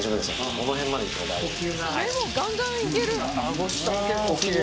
この辺までいっても大丈夫です。